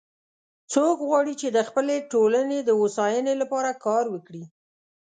څوک غواړي چې د خپلې ټولنې د هوساینی لپاره کار وکړي